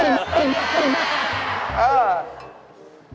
เออ